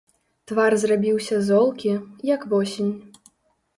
Твар зрабіўся золкі, як восень.